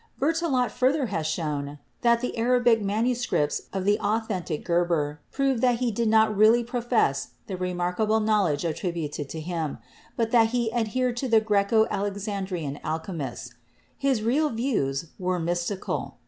Berthelot further has shown that the Arabic manu 30 CHEMISTRY scripts of the authentic Geber prove that he did not really profess the remarkable knowledge attributed to him, but that he adhered to the Greco Alexandrian alchemists. His real views were mystical.